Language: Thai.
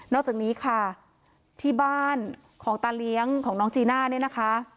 อกจากนี้ค่ะที่บ้านของตาเลี้ยงของน้องจีน่าเนี่ยนะคะ